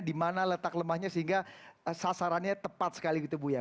di mana letak lemahnya sehingga sasarannya tepat sekali gitu bu ya